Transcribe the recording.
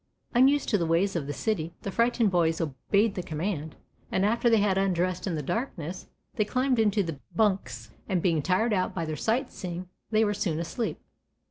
Unused to the ways of the city, the frightened boys obeyed the command, and after they had undressed in the darkness, they climbed into the bunks and being tired out by their sight seeing, they were soon asleep.